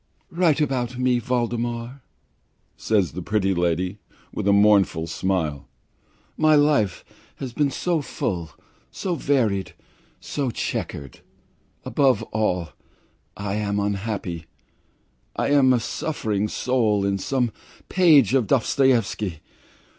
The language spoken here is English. "Write about me, Voldemar!" says the pretty lady, with a mournful smile. "My life has been so full, so varied, so chequered. Above all, I am unhappy. I am a suffering soul in some page of Dostoevsky.